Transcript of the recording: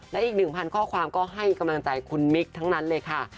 และอีก๑๐๐๐ข้อความก็ให้กำลังใจคุณมิกค่ะ